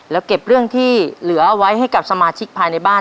แล้วเก็บเรื่องที่เหลือเอาไว้ให้กับสมาชิกภายในบ้าน